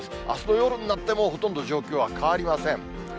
あすの夜になっても、ほとんど状況は変わりません。